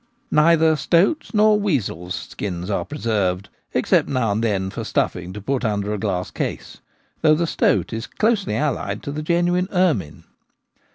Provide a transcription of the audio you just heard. Neither stoats' nor weasels' skins are preserved, except now and then for stuffing to put under a glass case, though the stoat is closely allied to the genuine ermine.